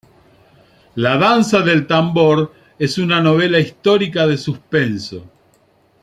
La Danza del Tambor es una novela histórica de suspenso.